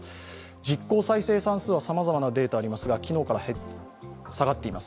実効再生産数はさまざまなデータがありますが昨日よりも下がっています。